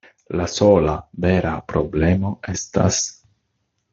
La sola vera problemo estas...